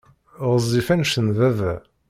Ɣezzif anect n baba.